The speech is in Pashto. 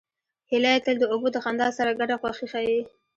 هیلۍ تل د اوبو د خندا سره ګډه خوښي ښيي